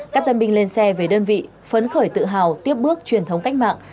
các tân binh lên xe về đơn vị phấn khởi tự hào tiếp bước truyền thống cách mạng